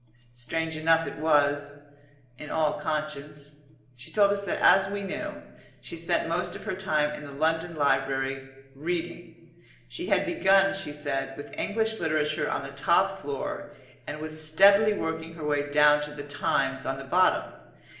Strange enough it was in all conscience. She told us that, as we knew, she spent most of her time in the London Library, reading. She had begun, she said, with English literature on the top floor; and was steadily working her way down to the Times on the bottom.